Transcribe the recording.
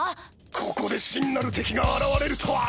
ここで真なる敵が現れるとは！